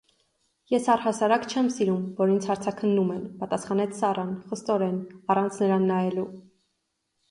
- Ես առհասարակ չեմ սիրում, որ ինձ հարցաքննում են,- պատասխանեց Սառան խստորեն, առանց նրան նայելու: